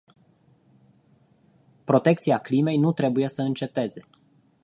Protecția climei nu trebuie să înceteze.